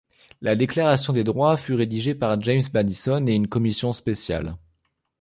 La Déclaration des droits fut rédigée par James Madison et une commission spéciale.